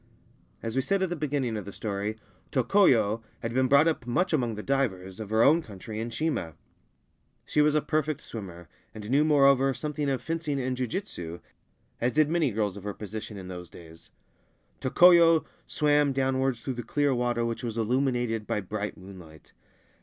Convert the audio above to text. As we said at the beginning of the story, Tokoyo had been brought up much among the divers of her own 105 14 Ancient Tales and Folklore of Japan country in Shima ; she was a perfect swimmer, and knew moreover, something of fencing and jujitsu, as did mam girls of her position in those days. Tokoyo swam downwards through the clear water which was illuminated by bright moonlight.